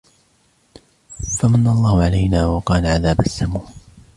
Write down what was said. فَمَنَّ اللَّهُ عَلَيْنَا وَوَقَانَا عَذَابَ السَّمُومِ